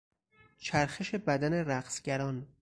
چرخش بدن رقصگران